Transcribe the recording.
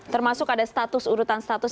termasuk ada status urutan status